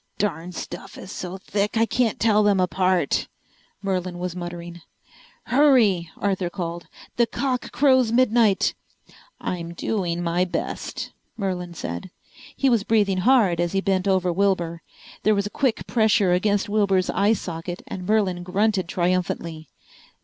"Darn stuff is so thick I can't tell them apart," Merlin was muttering. "Hurry!" Arthur called. "The cock crows midnight!" "I'm doing my best," Merlin said. He was breathing hard as he bent over Wilbur. There was a quick pressure against Wilbur's eye socket and Merlin grunted triumphantly.